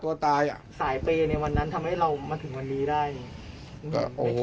ไม่คิดเลย